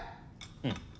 うん。